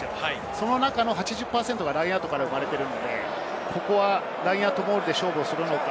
その中の８０％がラインアウトから生まれているので、ラインアウトモールで勝負をするのか。